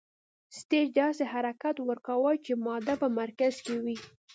سټیج داسې حرکت ورکوو چې ماده په مرکز کې وي.